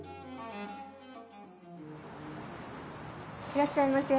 いらっしゃいませ。